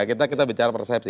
kita kita bicara persepsi